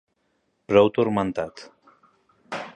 Prou turmentat.